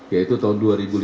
yaitu tahun dua ribu lima belas